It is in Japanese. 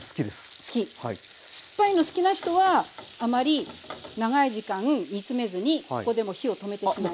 酸っぱいの好きな人はあまり長い時間煮詰めずにここでもう火を止めてしまいます。